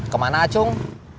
ke mana acung